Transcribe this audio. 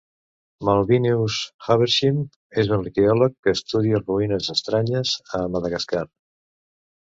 Malvineous Havershim és un arqueòleg que estudia ruïnes estranyes a Madagascar.